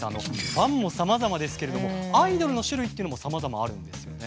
ファンもさまざまですけれどもアイドルの種類っていうのもさまざまあるんですよね。